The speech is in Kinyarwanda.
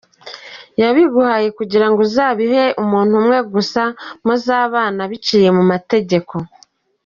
Yabiguhaye kugirango uzabihe gusa umuntu umwe muzabana biciye mu mategeko.